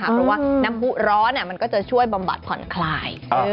เพราะว่าน้ำผู้ร้อนมันก็จะช่วยบำบัดผ่อนคลาย